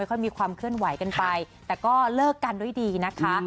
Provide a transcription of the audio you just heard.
ค่อยมีความเคลื่อนไหวกันไปแต่ก็เลิกกันด้วยดีนะคะ